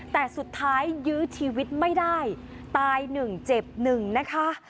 แต่สุดท้ายยื้อชีวิตไม่ได้ตายหนึ่งเจ็บหนึ่งนะคะ